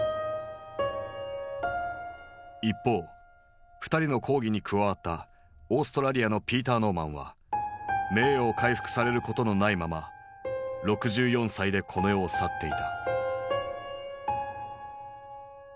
一方２人の抗議に加わったオーストラリアのピーター・ノーマンは名誉を回復されることのないまま６４歳でこの世を去っていた。